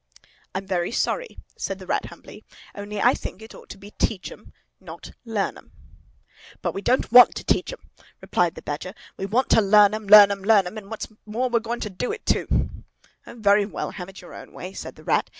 "I'm very sorry," said the Rat humbly. "Only I think it ought to be 'teach 'em,' not 'learn 'em.'" "But we don't want to teach 'em," replied the Badger. "We want to learn 'em—learn 'em, learn 'em! And what's more, we're going to do it, too!" "Oh, very well, have it your own way," said the Rat.